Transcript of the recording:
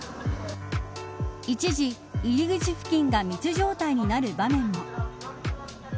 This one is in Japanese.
一時、入り口付近が密状態になる場面も。